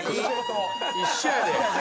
「一緒やで」